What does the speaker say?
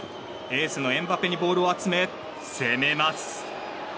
エースのエムバペにボールを集め攻めます。